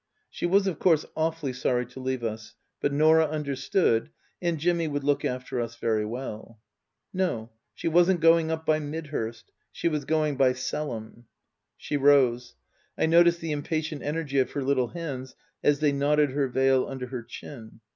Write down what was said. She was of course awfully sorry to leave us, but Norah understood, and Jimmy would look after us very well. No. She wasn't going up by Midhurst. She was going by Selham. She rose. I noticed the impatient energy of her little hands as they knotted her veil under her chin.